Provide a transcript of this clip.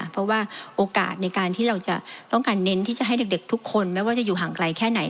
เพราะว่าโอกาสเราจะเน้นให้ทุกคนไม่ว่าจะอยู่ห่างไกลแค่ไหน